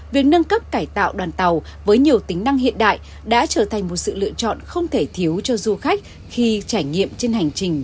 việc nâng cấp cải tạo đoàn tàu với nhiều tính năng hiện đại đã trở thành một sự lựa chọn không thể thiếu cho du khách khi trải nghiệm trên hành trình